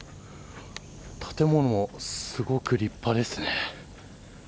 建物もすごく立派ですね。